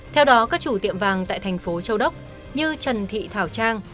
theo đó các chủ tiệm vàng tại thành phố châu đốc như trần thị thảo trang